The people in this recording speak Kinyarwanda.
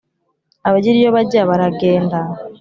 Abagira iyo bajya baragenda.